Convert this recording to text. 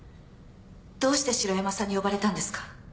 どうして城山さんに呼ばれたんですか？